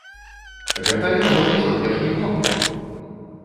Гэта ягоны сённяшні погляд!